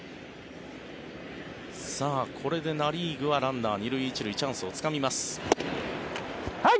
これでナ・リーグはランナー２塁１塁チャンスをつかみます。